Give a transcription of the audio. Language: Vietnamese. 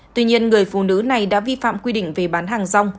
tuy nhiên người phụ nữ này đã vi phạm quy định về bán hàng rong